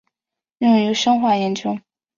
用于生化研究。